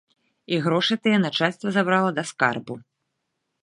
І грошы тыя начальства забрала да скарбу.